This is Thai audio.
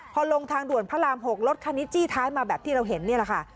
พอลงทางด่วนพระราม๖รถคันนี้จี้ท้ายมาแบบที่เราเห็นนี่แหละค่ะ